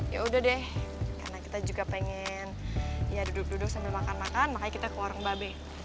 yaudah deh karena kita juga pengen ya duduk duduk sambil makan makan makanya kita ke warung mbak be